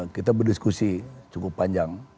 kita berdiskusi cukup panjang